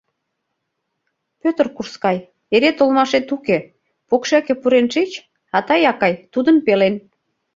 — Пӧтыр курскай, эре толмашет уке, покшеке пурен шич, а тый, акай, тудын пелен...